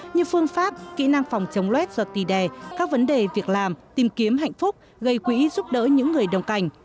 như phương pháp kỹ năng phòng chống loét giọt tì đè các vấn đề việc làm tìm kiếm hạnh phúc gây quỹ giúp đỡ những người đồng cảnh